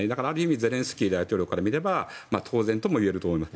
ゼレンスキー大統領から見れば当然ともいえると思います。